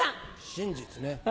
真実ね。